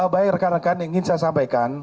baik rekan rekan ingin saya sampaikan